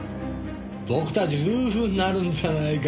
僕たち夫婦になるんじゃないか。